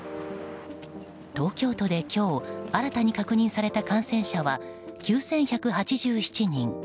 東京都で今日新たに確認された感染者は９１８７人。